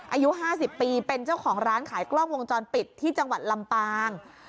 อายุ๕๐ปีเป็นเจ้าของร้านขายกล้องวงจรปิดที่จังหวัดลำปาง